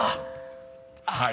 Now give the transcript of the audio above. ［はい。